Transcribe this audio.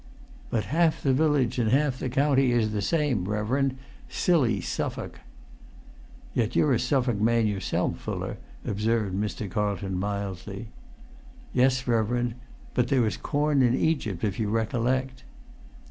"But half the village and half the county is the same, reverend. Silly Suffolk!" "Yet you're a Suffolk man yourself, Fuller," observed Mr. Carlton, mildly. "Yes, reverend, but there was corn in Egypt, if you recollect."